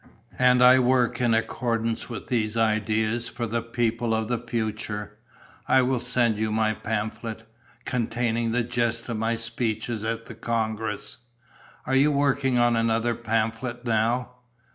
And I work in accordance with these ideas for the people of the future. I will send you my pamphlet, containing the gist of my speeches at the congress. Are you working on another pamphlet now?"